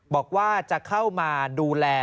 บอกว่าจะเข้ามาดูแล